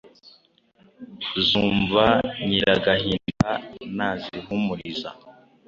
zumva Nyiragahinda ntazihumurira,